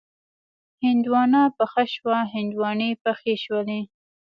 هندواڼه پخه شوه، هندواڼې پخې شولې